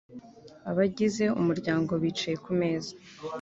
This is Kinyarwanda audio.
Abagize umuryango bicaye kumeza